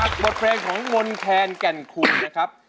บทเพลงของมนแคนแก่นคุณนะครับ